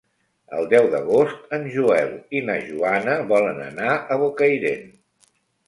El deu d'agost en Joel i na Joana volen anar a Bocairent.